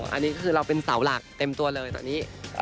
อันนี้คือเราเป็นเสาหลักเต็มตัวเลยตอนนี้